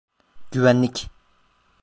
Güvenlik.